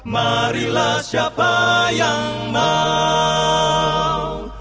marilah siapa yang mau